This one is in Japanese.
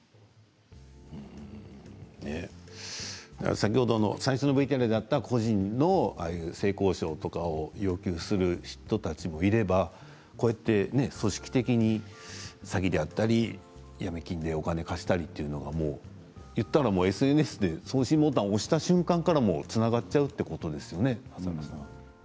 先ほどの最初のＶＴＲにあった個人の性交渉とか要求する人たちもいればこうやって組織的に詐欺であったり、ヤミ金でお金を貸したりというのが、言ったらＳＮＳで送信ボタンを押した瞬間からつながってしまうということですよね。